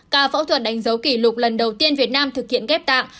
ca phẫu thuật đánh dấu kỷ lục lần đầu tiên việt nam thực hiện ghép tạng